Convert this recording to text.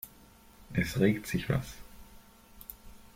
Es regt sich was.